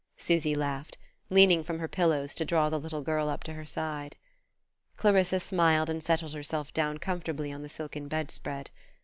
Susy laughed, leaning from her pillows to draw the little girl up to her side. Clarissa smiled and settled herself down comfortably on the silken bedspread.